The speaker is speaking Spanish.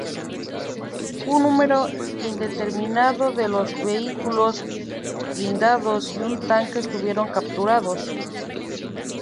Un numero indeterminado de los vehículos blindados y un tanque estuvieron capturados.